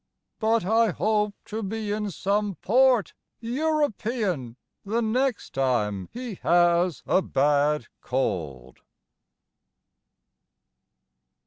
But I hope to be in some port European The next time he has a bad cold.